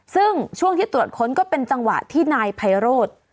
ซึ่งช่วงที่ตรวจค้นก็เป็นจังหวะที่นายไพโรธ